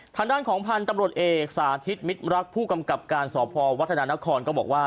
ทางด้านของพันธุ์ตำรวจเอกสาธิตมิตรรักผู้กำกับการสพวัฒนานครก็บอกว่า